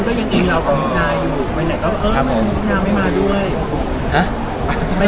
ก็ยังจริงเราอยู่ไปไหนก็เออไม่มาด้วยฮะไป